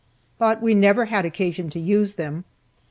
But we never had occasion to use them.